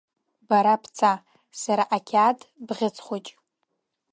Бара бца, сара ақьаад бӷьыц хәыҷ…